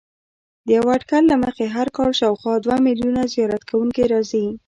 د یوه اټکل له مخې هر کال شاوخوا دوه میلیونه زیارت کوونکي راځي.